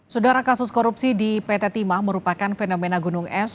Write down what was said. saudara kasus korupsi di pt timah merupakan fenomena gunung es